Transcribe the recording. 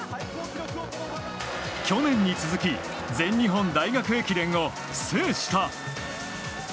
去年に続き全日本大学駅伝を制した。